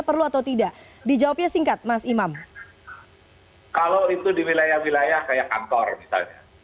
kalau itu di wilayah wilayah kayak kantor misalnya